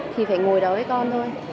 thì phải ngồi đó với con thôi